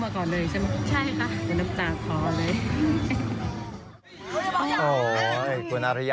ขอบคุณครับ